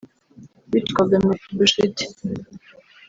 witwaga Mefibosheti